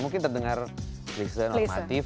mungkin terdengar klise normatif